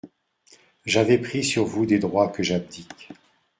J'avais pris sur vous des droits que j'abdique.